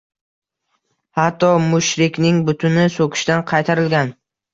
Hatto mushrikning butini so‘kishdan qaytarilgan